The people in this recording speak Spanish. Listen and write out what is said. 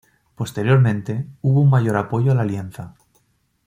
Posteriormente, hubo un mayor apoyo a la Alianza.